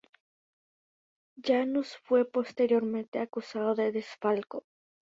Janus fue posteriormente acusado de desfalco.